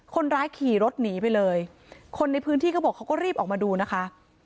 คนร้ายขี่รถหนีไปเลยคนในพื้นที่เขาบอกเขาก็รีบออกมาดูนะคะ